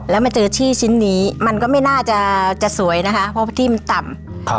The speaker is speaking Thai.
แล้วมาเจอที่ชิ้นนี้มันก็ไม่น่าจะสวยนะคะเพราะที่มันต่ำ